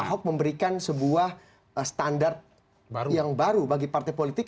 ahok memberikan sebuah standar yang baru bagi partai politik